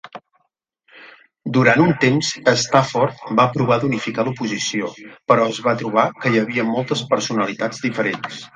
Durant un temps, Stafford va provar d'unificar l'oposició, però es va trobar que hi havia moltes personalitats diferents.